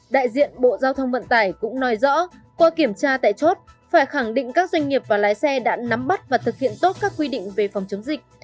đại diện bộ giao thông vận tải cũng nói rõ qua kiểm tra tại chốt phải khẳng định các doanh nghiệp và lái xe đã nắm bắt và thực hiện tốt các quy định về phòng chống dịch